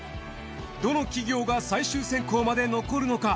どの企業が最終選考まで残るのか。